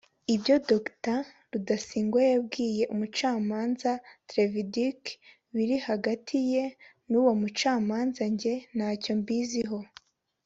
Ibyo Dr Rudasingwa yabwiye umucamanza Trévidic biri hagati ye n’uwo mucamanza njye ntacyo mbiziho